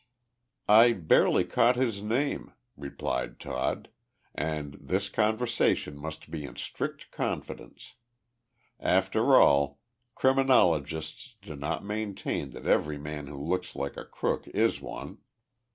"I barely caught his name," replied Todd, "and this conversation must be in strict confidence. After all, criminologists do not maintain that every man who looks like a crook is one.